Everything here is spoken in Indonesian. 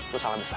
lo salah besar